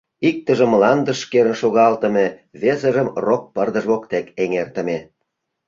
Иктыжым мландыш керын шогалтыме, весыжым рок пырдыж воктек эҥертыме.